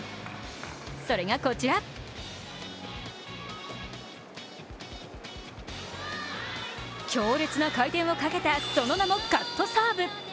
それがこちら、強烈な回転をかけたその名もカットサーブ。